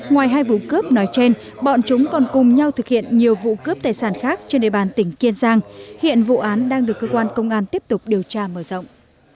ngoài hai vụ cướp nói trên bọn chúng còn cùng nhau thực hiện nhiều vụ cướp tài sản khác trên địa bàn tỉnh kiên giang hiện vụ án đang được cơ quan công an tiếp tục điều tra mở rộng